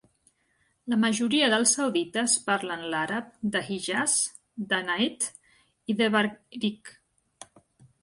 La majoria dels saudites parlen l'àrab de Hijaz, de Najd i de Bariq.